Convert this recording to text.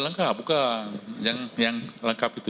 lengkap buka yang lengkap itu